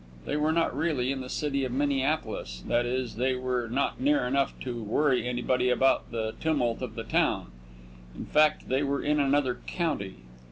They were not really in the city of Minneapolis, that is, they were not near enough to worry anybody by the tumult of the town. In fact, they were in another county.